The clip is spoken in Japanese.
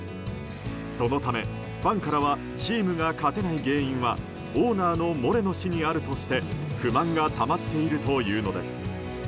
そのため、ファンからはチームが勝てない原因はオーナーのモレノ氏にあるとして不満がたまっているというのです。